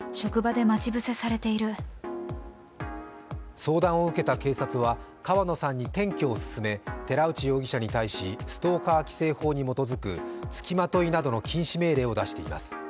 相談を受けた警察は川野さんに転居を勧め寺内容疑者に対し、ストーカー規制法に基づくつきまといなどの禁止命令を出しています。